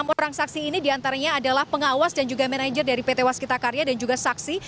enam orang saksi ini diantaranya adalah pengawas dan juga manajer dari pt waskita karya dan juga saksi